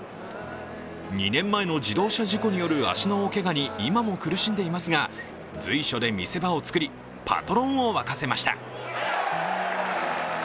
２年前の自動車事故による足の大けがに今も苦しんでいますが、随所で見せ場を作り、パトロンを沸かせました。